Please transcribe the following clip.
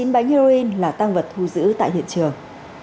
tám mươi chín bánh heroin là tăng vật thu giữ tại hiện trường